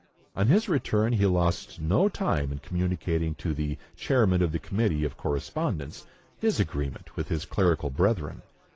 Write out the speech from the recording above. On his return, he lost no time in communicating to the "Chairman of the Committee of Correspondence" his agreement with his clerical brethren.